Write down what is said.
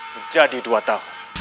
menjadi dua tahun